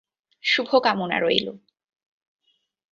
শুভ কামনা রইলো।